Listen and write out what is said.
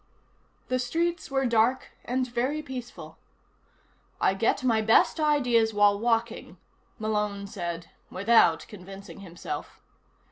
The streets were dark and very peaceful. I get my best ideas while walking, Malone said without convincing himself.